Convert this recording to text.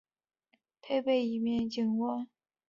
它亦配备了一个防滑合成物料以便紧握。